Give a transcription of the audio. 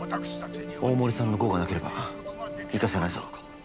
大森さんのゴーがなければいかせないぞ。